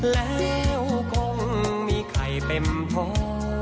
แล้วคงมีใครเป็มท้อง